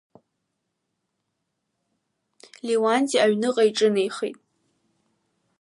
Леуанти аҩныҟа иҿынеихеит.